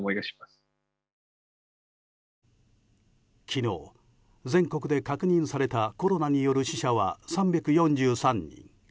昨日、全国で確認されたコロナによる死者は３４３人。